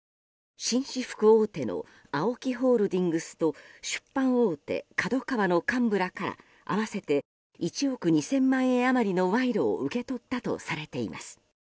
紳士服大手のＡＯＫＩホールディングスと出版大手ＫＡＤＯＫＡＷＡの幹部らから合わせて１億２０００万円余りの賄賂を受け取ったとされています。